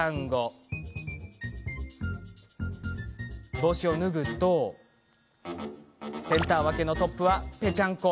帽子を脱ぐとセンター分けのトップはぺちゃんこ。